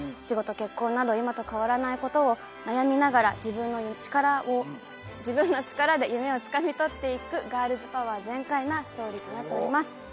仕事結婚など今と変わらない事を悩みながら自分の力を自分の力で夢をつかみ取っていくガールズパワー全開なストーリーとなっております。